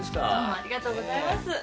ありがとうございます。